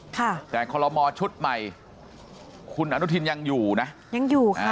ค่ะแต่คอลโลมอชุดใหม่คุณอนุทินยังอยู่นะยังอยู่ค่ะ